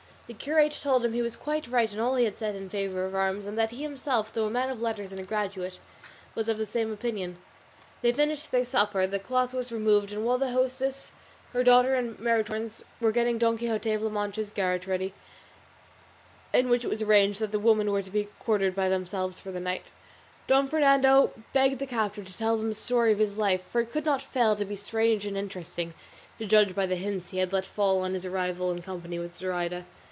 The curate told him he was quite right in all he had said in favour of arms, and that he himself, though a man of letters and a graduate, was of the same opinion. They finished their supper, the cloth was removed, and while the hostess, her daughter, and Maritornes were getting Don Quixote of La Mancha's garret ready, in which it was arranged that the women were to be quartered by themselves for the night, Don Fernando begged the captive to tell them the story of his life, for it could not fail to be strange and interesting, to judge by the hints he had let fall on his arrival in company with Zoraida.